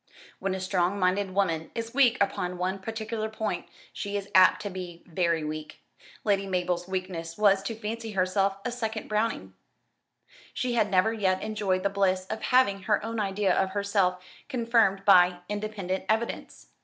When a strong minded woman is weak upon one particular point she is apt to be very weak. Lady Mabel's weakness was to fancy herself a second Browning. She had never yet enjoyed the bliss of having her own idea of herself confirmed by independent evidence.